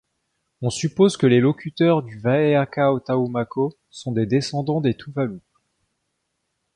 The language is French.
On suppose que les locuteurs du vaeakau-taumako sont des descendants des Tuvalu.